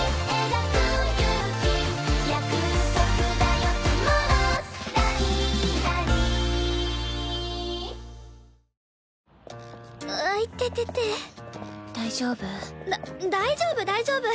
だ大丈夫大丈夫。